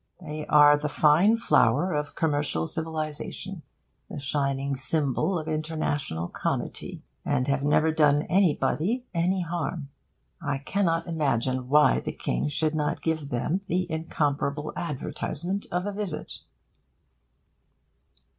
They are the fine flower of commercial civilisation, the shining symbol of international comity, and have never done anybody any harm. I cannot imagine why the King should not give them the incomparable advertisement of a visit.